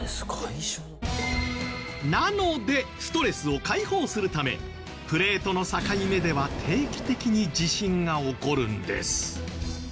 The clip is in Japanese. なのでストレスを解放するためプレートの境目では定期的に地震が起こるんです。